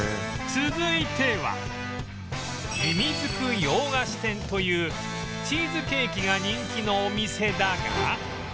続いてはみみずく洋菓子店というチーズケーキが人気のお店だが